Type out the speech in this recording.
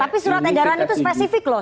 tapi surat edaran itu spesifik loh